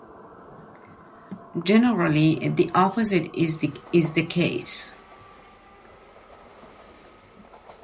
Generally, the opposite is the case.